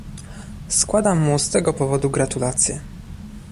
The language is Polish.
Składam mu z tego powodu gratulacje